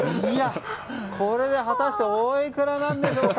これで果たしておいくらなんでしょうか。